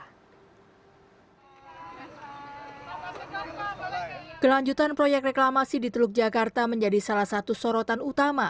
kelanjutan proyek reklamasi di teluk jakarta menjadi salah satu sorotan utama